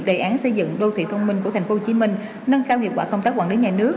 đề án xây dựng đô thị thông minh của tp hcm nâng cao hiệu quả công tác quản lý nhà nước